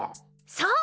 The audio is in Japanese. そう！